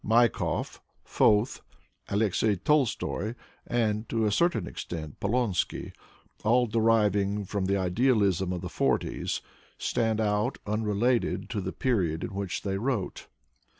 Maikov, Foeth, Alexey Tolstoy and, to a certain extent, Polonsky, all deriving from the idealism of the forties, stand out unrelated to the period in which they wrote.